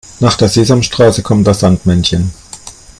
Nach der Sesamstraße kommt das Sandmännchen.